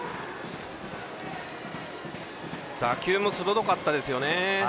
打球も鋭かったですよね。